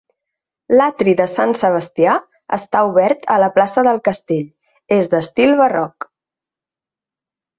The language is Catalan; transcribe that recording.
L'atri de sant Sebastià està obert a la plaça del Castell, és d'estil barroc.